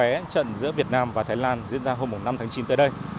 vé trận giữa việt nam và thái lan diễn ra hôm năm tháng chín tới đây